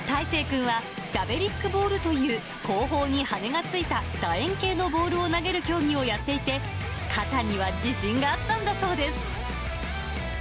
せい君は、ジャベリックボールという、後方に羽根が付いただ円形のボールを投げる競技をやっていて、肩には自信があったんだそうです。